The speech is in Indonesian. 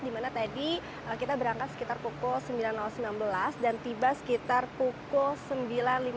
dimana tadi kita berangkat sekitar pukul sembilan sembilan belas dan tiba sekitar pukul sembilan lima puluh